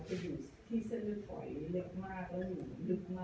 จะอยู่ที่เส้นเลือดฝอยลึกมากแล้วอยู่ลึกมาก